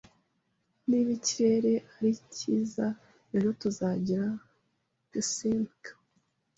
Niba ikirere ari cyiza ejo, tuzagira picnic.